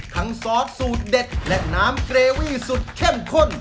ซอสสูตรเด็ดและน้ำเกรวี่สุดเข้มข้น